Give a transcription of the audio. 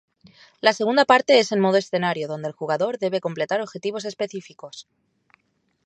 La segunda parte es en modo escenario, donde el jugador debe completar objetivos específicos.